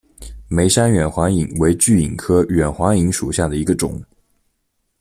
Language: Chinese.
梅山远环蚓为巨蚓科远环蚓属下的一个种。